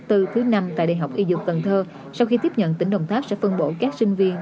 thứ năm tại đại học y dược cần thơ sau khi tiếp nhận tỉnh đồng tháp sẽ phân bổ các sinh viên